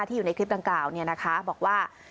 อยู่ในคลิปดังกล่าวบอกว่า